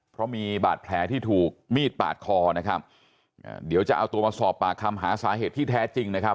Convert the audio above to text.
เพราะมีบาดแผลที่ถูกมีดปาดคอนะครับอ่าเดี๋ยวจะเอาตัวมาสอบปากคำหาสาเหตุที่แท้จริงนะครับ